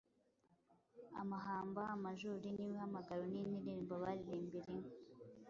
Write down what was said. Amahamba ,amajuri n’ibihamagaro, ni inririmbo baririmbira inka.